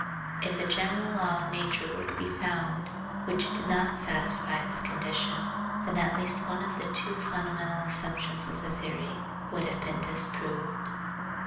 If a general law of nature were to be found which did not satisfy this condition, then at least one of the two fundamental assumptions of the theory would have been disproved.